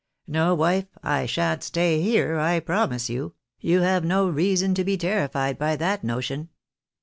No, wife, I shan't stay here, I promise you — you have no reason to be terrified by that notion."